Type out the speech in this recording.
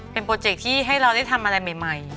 เป็นโปรเจคที่ให้เราได้ทำอะไรใหม่